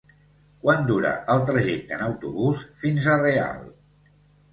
Quant dura el trajecte en autobús fins a Real?